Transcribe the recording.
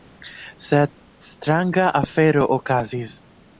Sed stranga afero okazis.